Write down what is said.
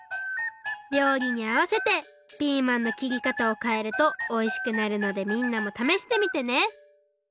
料理にあわせてピーマンの切り方をかえるとおいしくなるのでみんなもためしてみてね！